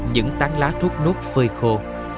những tán lá trút nút phơi khô